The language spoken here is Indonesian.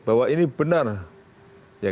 bahwa ini benar ya